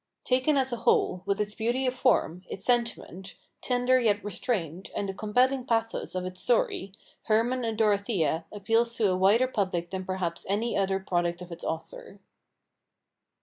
Taken as a whole, with its beauty of form, its sentiment, tender yet restrained, and the compelling pathos of its story, "Hermann and Dorothea" appeals to a wider public than perhaps any other product of its author.